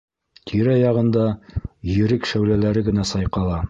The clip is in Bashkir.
Тирә-яғында ерек шәүләләре генә сайҡала.